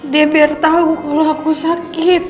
dia biar tahu kalau aku sakit